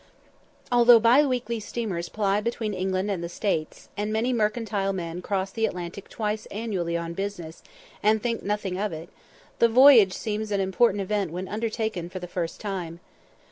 Although bi weekly steamers ply between England and the States, and many mercantile men cross the Atlantic twice annually on business, and think nothing of it, the voyage seems an important event when undertaken for the first time.